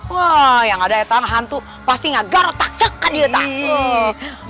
wah yang ada etan hantu pasti ngegarot tak cekan di atas